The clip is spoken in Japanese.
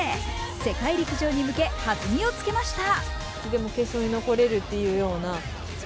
世界陸上に向け弾みをつけました。